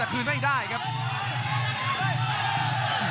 คมทุกลูกจริงครับโอ้โห